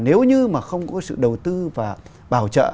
nếu như mà không có sự đầu tư và bảo trợ